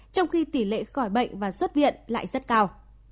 trong khi tỷ lệ khỏi bệnh và xuất viện lại rất cao